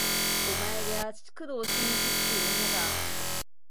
お前が工藤新一っちゅう女か